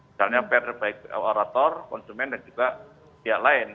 misalnya per baik orator konsumen dan juga pihak lain